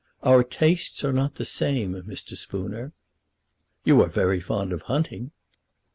"Our tastes are not the same, Mr. Spooner." "You are very fond of hunting."